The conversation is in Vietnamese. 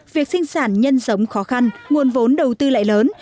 việc sinh sản nhân giống khó khăn nguồn vốn đầu tư lại lớn